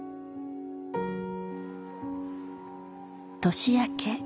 年明け。